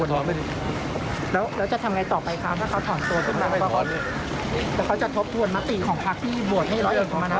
แล้วจะทำอะไรต่อไปคะถ้าเขาถอนตัว